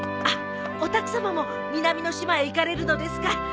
あっお宅さまも南の島へ行かれるのですか？